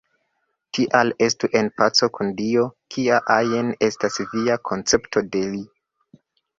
Tial estu en paco kun Dio, kia ajn estas via koncepto de Li.